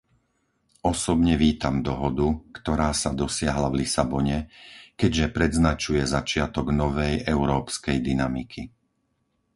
Osobne vítam dohodu, ktorá sa dosiahla v Lisabone, keďže predznačuje začiatok novej európskej dynamiky.